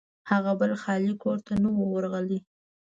هغه بل خالي کور ته نه و ورغلی.